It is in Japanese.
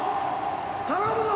頼むぞ。